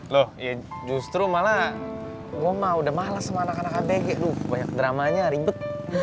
loh ya justru malah gue mah udah males sama anak anak abg aduh banyak dramanya ribet